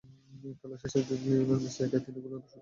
খেলার শেষ দিকে লিওনেল মেসি একাই তিনটি গোলের সুযোগ নষ্ট করেন।